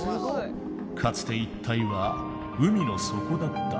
かつて一帯は海の底だった。